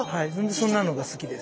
そんなのが好きです。